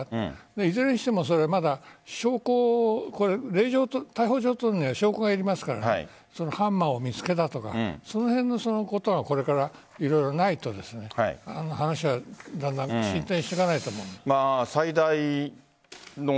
いずれにしても逮捕状を取るには証拠がいりますからハンマーを見つけたとかその辺のことがこれから色々ないと話はだんだん進展していかないと思う。